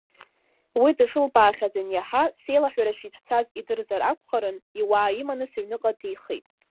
Уи дышлыбаахьаз аниаҳа, сеилаҳәара шицәцаз идырзыр акәхарын, иуаа иманы сыҩныҟа деихеит.